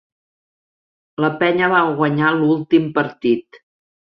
La Penya va guanyar l'últim partit.